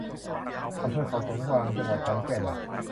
อำเภอเขาสวนกวาง จังหวัดขอนแก่น